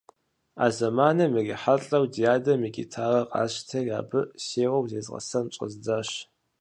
А зэманым ирихьэлӀэу ди адэм и гитарэр къасщтэри, абы сеуэу зезгъэсэн щӀэздзащ.